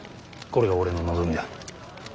これが俺の望みだ。